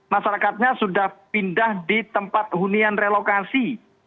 masyarakatnya sudah pindah di tempat hunian relokasi